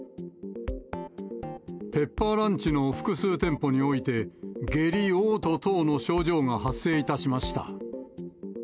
ペッパーランチの複数店舗において、下痢、おう吐等の症状が発生いたしました。